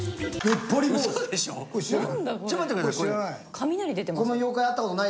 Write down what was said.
雷出てますね。